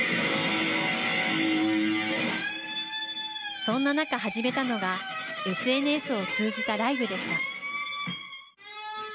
そんな中始めたのが、ＳＮＳを通じたライブでした。